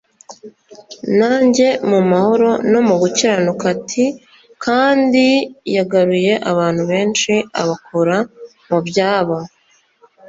Nanjye mu mahoro no mu gukiranuka t kandi yagaruye abantu benshi abakura mu byabo